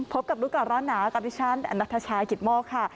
พบกับรุกร้อนหนาวกับดิฉันณฑชาขิตโม้คค่ะ